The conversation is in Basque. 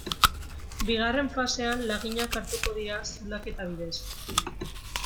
Bigarren fasean laginak hartuko dira zulaketa bidez.